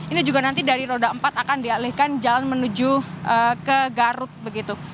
ini juga nanti dari roda empat akan dialihkan jalan menuju ke garut begitu